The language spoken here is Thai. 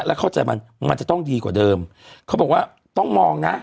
แล้วเข้าใจมันมันจะต้องดีกว่าเดิมเขาบอกว่าต้องมองนะ